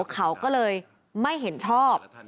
เขาก็เลยไม่เห็นชอบ